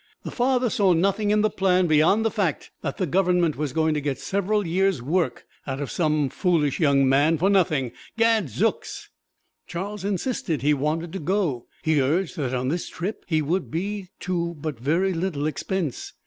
The father saw nothing in the plan beyond the fact that the Government was going to get several years' work out of some foolish young man, for nothing gadzooks! Charles insisted he wanted to go! He urged that on this trip he would be to but very little expense.